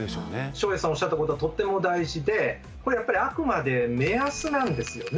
照英さんおっしゃったことはとっても大事でこれやっぱりあくまで目安なんですよね。